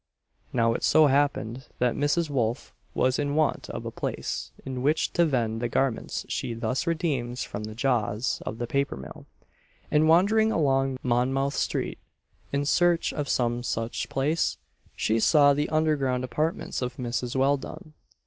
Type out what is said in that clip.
Now it so happened that Mrs. Wolf was in want of a place in which to vend the garments she thus redeems from the jaws of the paper mill; and wandering along Monmouth street, in search of some such place, she saw the under ground apartments of Mrs. Welldone.